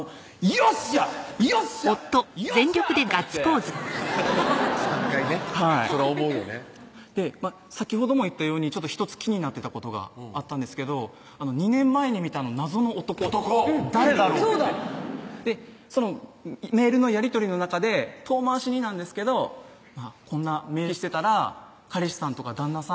よっしゃ！よっしゃ！」と思って３回ねそら思うよねで先ほども言ったようにちょっと１つ気になってたことがあったんですけど２年前に見た謎の男誰だろうってそのメールのやり取りの中で遠回しになんですけど「こんなメールしてたら彼氏さんとか旦那さん